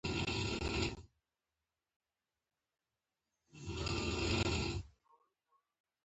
د جنوبي ښار اوسېدونکي له ازتېک لرغونې کورنۍ سره تړاو لري.